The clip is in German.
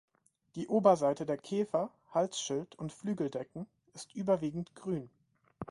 Die Oberseite der Käfer (Halsschild und Flügeldecken) ist überwiegend grün.